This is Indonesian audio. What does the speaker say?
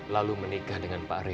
lalu menikah dengan pak rey